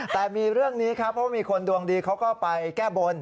แต่มีเรื่องนี้ครับเพราะมีคนดวงดีเขาก็ไปแก้บน